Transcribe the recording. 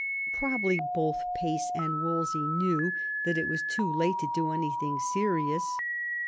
Probably both Pace and Wolsey knew that it was too late to do anything serious.